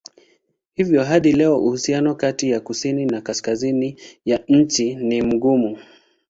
Hivyo hadi leo uhusiano kati ya kusini na kaskazini ya nchi ni mgumu.